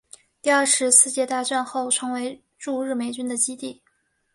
第二次世界大战后成为驻日美军的基地。